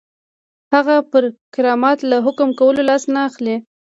هغه پر کرامت له حکم کولو لاس نه اخلي.